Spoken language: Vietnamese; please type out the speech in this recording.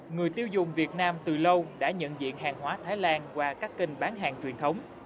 người tiêu dùng việt nam từ lâu đã nhận diện hàng hóa thái lan qua các kênh bán hàng truyền thống